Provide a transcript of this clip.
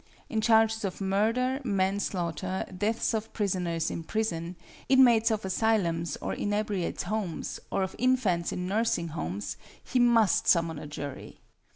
In charges of murder, manslaughter, deaths of prisoners in prison, inmates of asylums or inebriates' homes, or of infants in nursing homes, he must summon a jury.